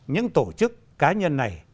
những tổ chức cá nhân này